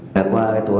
đã qua tuổi